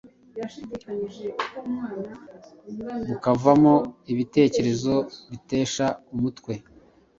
bukavamo ibitekerezo bitesha umutwe.